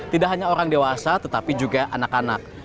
tidak hanya orang dewasa tetapi juga anak anak